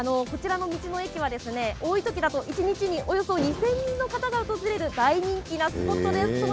こちらの道の駅は多いときだと一日におよそ２０００人の方が訪れる大人気なスポットです。